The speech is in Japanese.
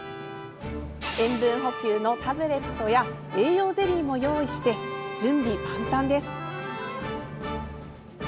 塩分補給のタブレットや栄養ゼリーも用意して準備万端です。